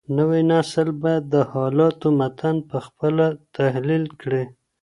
نوی نسل بايد د حالاتو متن په خپله تحليل کړي.